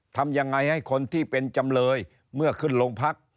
ทำยังไงให้คนที่เป็นจำเลยเมื่อขึ้นโรงพัก